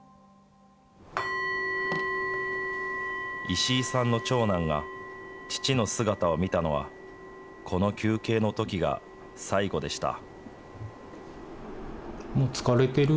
石井さんの長男が父の姿を見たのは、この休憩のときが最後でした。